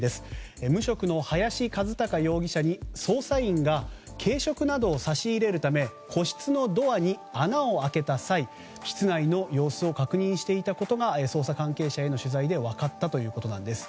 無職の林一貴容疑者に捜査員が軽食などを差し入れるため個室のドアに穴を開けた際室内の様子を確認していたことが捜査関係者への取材で分かったということです。